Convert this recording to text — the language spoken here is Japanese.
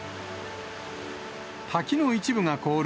滝の一部が凍る